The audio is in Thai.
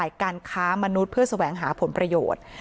มีพฤติการเข้าข่ายการค้ามนุษย์เพื่อแสวงหาผลประโยชน์